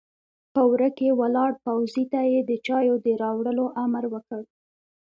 په وره کې ولاړ پوځي ته يې د چايو د راوړلو امر وکړ!